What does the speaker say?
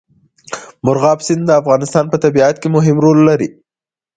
مورغاب سیند د افغانستان په طبیعت کې مهم رول لري.